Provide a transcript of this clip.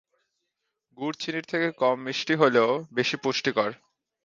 গুড় চিনির থেকে কম মিষ্টি হলেও বেশি পুষ্টিকর।